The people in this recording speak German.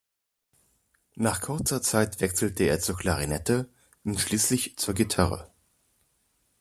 Nach kurzer Zeit wechselte er zur Klarinette und schließlich zur Gitarre.